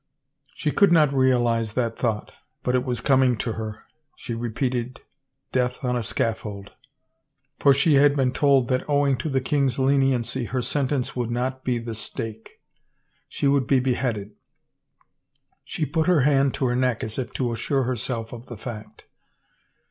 She could not realize that thought, but it was coming to her, she repeated, death on a scaffold, for she had 363 THE FAVOR OF KINGS been told that owing to the king's leniency, her sentence would not be the stake. She would be beheaded. She put her hand to her neck as if to assure herself of the fact.